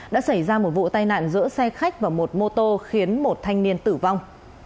đã xảy ra một vụ tai nạn giữa xe khách và một mô tô khiến một thanh niên tử vong